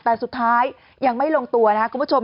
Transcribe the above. แต่สุดท้ายยังไม่ลงตัวนะครับคุณผู้ชม